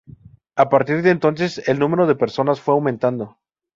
A partir de entonces el número de personas fue aumentando.